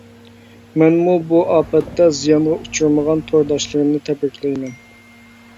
مەنمۇ بۇ ئاپەتتە زىيانغا ئۇچرىمىغان تورداشلىرىمنى تەبرىكلەيمەن!